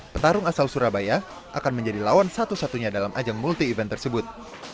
petarung asal surabaya akan menjadi lawan satu satunya dalam ajang multi event tersebut